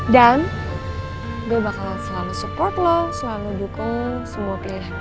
dan gue bakalan selalu support lo selalu dukung semua pilihan lo